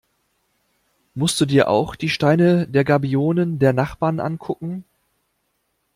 Musst du dir auch die Steine der Gabionen der Nachbarn angucken?